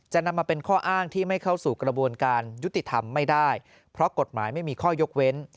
นำมาเป็นข้ออ้างที่ไม่เข้าสู่กระบวนการยุติธรรมไม่ได้เพราะกฎหมายไม่มีข้อยกเว้น